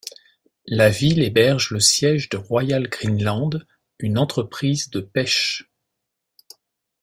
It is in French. La ville héberge le siège de Royal Greenland, une entreprise de pêche.